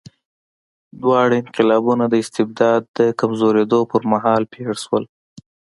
دواړه انقلابونه د استبداد د کمزورېدو پر مهال پېښ شول.